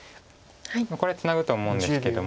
これはツナぐと思うんですけども。